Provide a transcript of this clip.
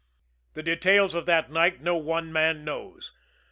The details of that night no one man knows.